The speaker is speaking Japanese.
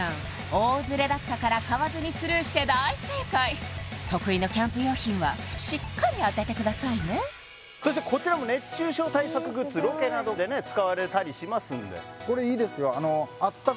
大ズレだったから買わずにスルーして大正解得意のキャンプ用品はしっかり当ててくださいねそしてこちらもロケなどでね使われたりしますんでこれいいですよ